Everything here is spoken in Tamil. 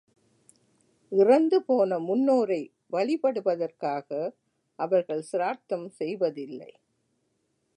இறந்துபோன முன்னோரை வழிபடுவதற்காக அவர்கள் சிரார்த்தம் செய்வதில்லை.